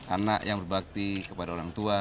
anak yang berbakti kepada orang tua